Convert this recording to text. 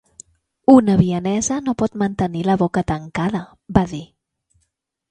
"Una vienesa no pot mantenir la boca tancada", va dir.